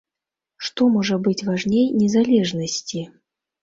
Што можа быць важней незалежнасці?